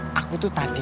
eh aku tuh tadi